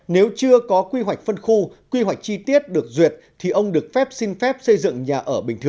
nếu chưa có quy hoạch phân khu quy hoạch chi tiết được duyệt